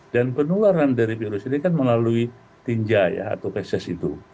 dan penularan dari virus ini kan melalui tinja ya atau pesis itu